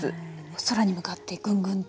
空に向かってぐんぐんと。